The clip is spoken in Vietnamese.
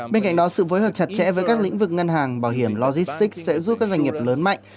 bên cạnh đó sự phối hợp chặt chẽ với các lĩnh vực ngân hàng bảo hiểm logistics sẽ giúp các doanh nghiệp lớn mạnh